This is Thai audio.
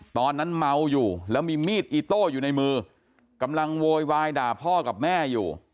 ตอนนั้นเมาอยู่แล้วมีมีดอิโต้อยู่ในมือกำลังโวยวายด่าพ่อกับแม่อยู่